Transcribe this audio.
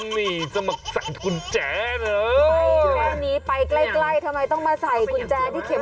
มีมาใส่กุญแจที่เข็มถัดด้วยจะล็อกอะไรนั้นนานมานาน